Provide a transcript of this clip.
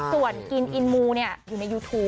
ส่วนกินอินมูอยู่ในยูทูป